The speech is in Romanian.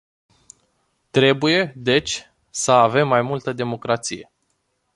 Trebuie, deci, să avem mai multă democrație.